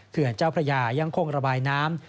เขื่อนเจ้าพระยายังคงระบายน้ำ